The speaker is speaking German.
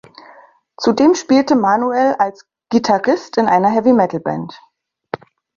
Zudem spielte Manuel als Gitarrist in einer Heavy-Metal-Band.